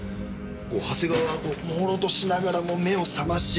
こう長谷川はもうろうとしながらも目を覚まし。